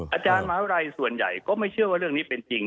อาจารย์มหาวิทยาลัยส่วนใหญ่ก็ไม่เชื่อว่าเรื่องนี้เป็นจริง